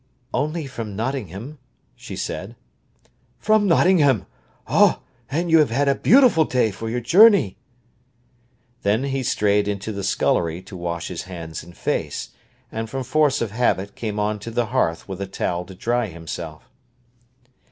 "Only from Nottingham," she said. "From Nottingham! Then you have had a beautiful day for your journey." Then he strayed into the scullery to wash his hands and face, and from force of habit came on to the hearth with the towel to dry himself.